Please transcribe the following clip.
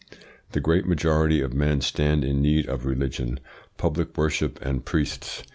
... The great majority of men stand in need of religion, public worship, and priests.